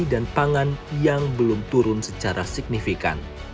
pangan yang belum turun secara signifikan